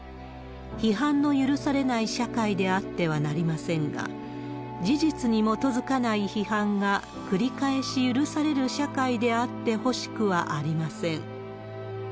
批判の許されない社会であってはなりませんが、事実に基づかない批判が繰り返し許される社会であってほしくはありません。